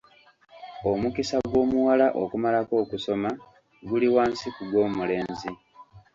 Omukisa gw'omuwala okumalako okusoma guli wansi ku gw'omulenzi.